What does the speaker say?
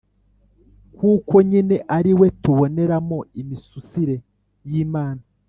kuko nyine ariwe tuboneramo imisusire y’imana.